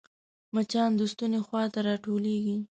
مچان د ستوني خوا ته راټولېږي